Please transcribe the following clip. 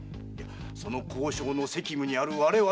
その交渉の責務にある我々